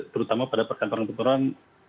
terutama pada persangkuran persangkuran